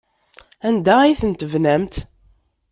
Anda ay ten-tebnamt?